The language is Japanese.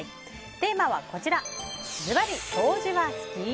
テーマはズバリ掃除は好き？